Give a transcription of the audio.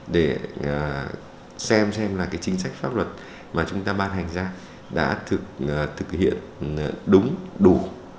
để xem xem là cái chính sách pháp luật mà chúng ta ban hành ra đã thực hiện đúng đủ